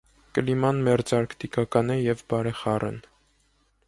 Կլիման մերձարկտիկական է և բարեխառն։